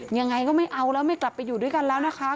ยังไงก็ไม่เอาแล้วไม่กลับไปอยู่ด้วยกันแล้วนะคะ